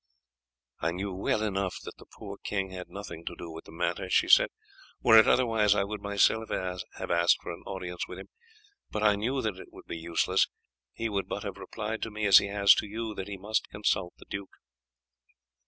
"I knew well enough that the poor king had nothing to do with the matter," she said. "Were it otherwise I would myself have asked for an audience with him; but I knew that it would be useless, he would but have replied to me as he has to you, that he must consult the duke."